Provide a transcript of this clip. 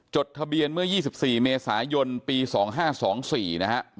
จดทะเบียนเมื่อ๒๔เมษายนปี๒๕๒๔นะฮะ